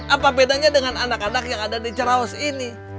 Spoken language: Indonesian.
apa bedanya dengan anak anak yang ada di cerawas ini